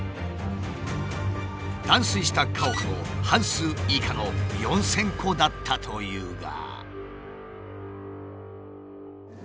断水した家屋も半数以下の４，０００戸だったというが。